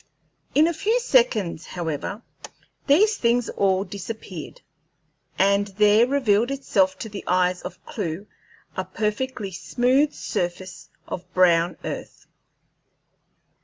In a few seconds, however, these things all disappeared, and there revealed itself to the eyes of Clewe a perfectly smooth surface of brown earth.